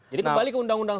jadi kembali ke undang undang